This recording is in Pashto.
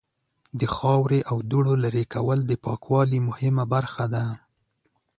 د خاورې او دوړو لرې کول د پاکوالی مهمه برخه ده.